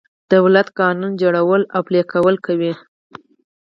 دولت قانون جوړول او پلي کول کوي.